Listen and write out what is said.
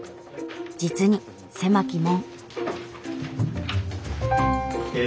実に狭き門。